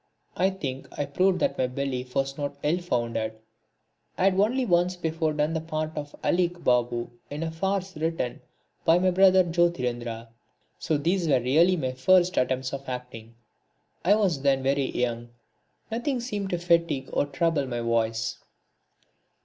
I think I proved that my belief was not ill founded. I had only once before done the part of Aleek Babu in a farce written by my brother Jyotirindra. So these were really my first attempts at acting. I was then very young and nothing seemed to fatigue or trouble my voice.